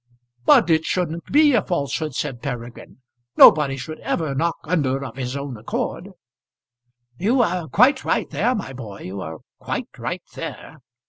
"But it shouldn't be a falsehood," said Peregrine. "Nobody should ever knock under of his own accord." "You are quite right there, my boy; you are quite right there.